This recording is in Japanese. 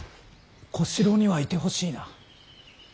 小四郎にはいてほしいな。